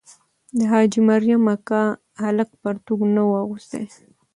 د حاجي مریم اکا هلک پرتوګ نه وو اغوستی.